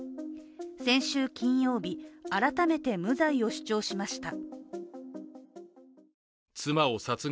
先週金曜日改めて無罪を主張しました。